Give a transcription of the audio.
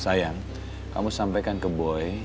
sayang kamu sampaikan ke boy